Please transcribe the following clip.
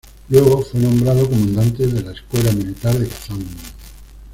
Luego fue nombrado Comandante de la Escuela Militar de Kazán.